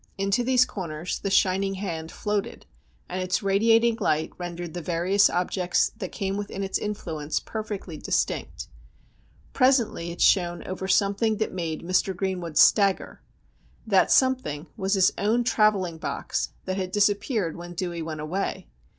Into these corners the shining hand floated, and its radiating light rendered the various objects that came within its influence perfectly distinct. Presently it shone over something that made Mr. Greenwood stagger. That something was his own travelling box that had disappeared when Dewey went away.